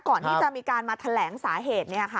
ก่อนที่จะมีการมาแถลงสาเหตุ